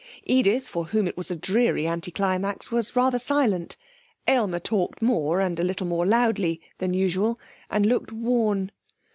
Edith, for whom it was a dreary anti climax, was rather silent. Aylmer talked more, and a little more loudly, than usual, and looked worn.